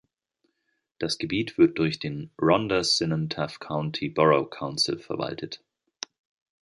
Das Gebiet wird durch den "Rhondda Cynon Taf County Borough Council" verwaltet.